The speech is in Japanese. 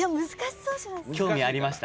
興味ありました。